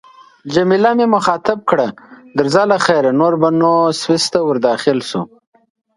جميله مې مخاطب کړ: درځه له خیره، نور به نو سویس ته ورداخل شو.